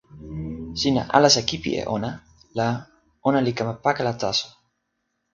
sina alasa kipisi e ona la ona li kama pakala taso.